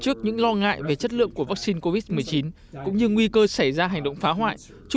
trước những lo ngại về chất lượng của vaccine covid một mươi chín cũng như nguy cơ xảy ra hành động phá hoại